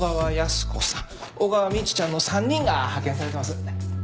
小川未知ちゃんの３人が派遣されてます。